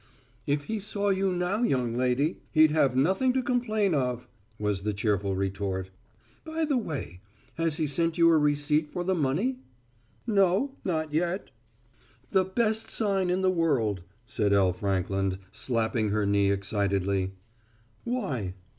"If he saw you now, young lady, he'd have nothing to complain of," was the cheerful retort. "By the way, has he sent you a receipt for the money?" "No, not yet." "The best sign in the world," said L. Frankland, slapping her knee excitedly. "Why?"